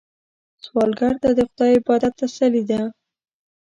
سوالګر ته د خدای عبادت تسلي ده